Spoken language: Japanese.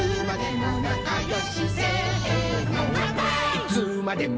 「いつまでも」